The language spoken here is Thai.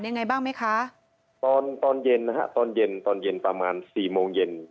ยังไงบ้างไหมคะตอนตอนเย็นนะฮะตอนเย็นตอนเย็นประมาณสี่โมงเย็น